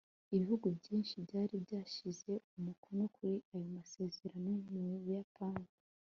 ibihugu byinshi byari byashyize umukono kuri ayo masezerano, mu buyapani